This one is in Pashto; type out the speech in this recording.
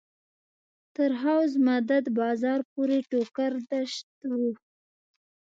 تر حوض مدد بازار پورې ټوکر دښت و.